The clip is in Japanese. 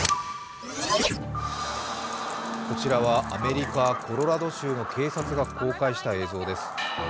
こちらは、アメリカ・コロラド州の警察が公開した映像です。